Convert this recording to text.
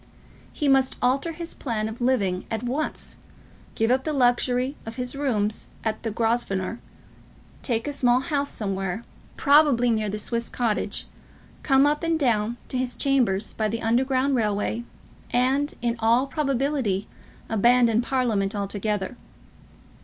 He must alter his plan of living at once, give up the luxury of his rooms at the Grosvenor, take a small house somewhere, probably near the Swiss Cottage, come up and down to his chambers by the underground railway, and, in all probability, abandon Parliament altogether.